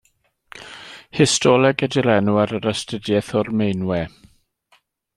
Histoleg ydy'r enw ar yr astudiaeth o'r meinwe.